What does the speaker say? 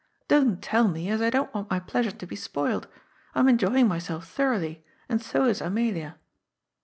Don't tell me, as I don't want my pleasure to be spoilt. I am enjoying myself thoroughly, and so is Amelia."